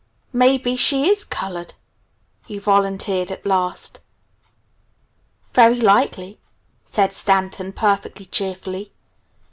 "Maybe she is 'colored'," he volunteered at last. "Very likely," said Stanton perfectly cheerfully.